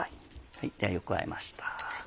ではよくあえました。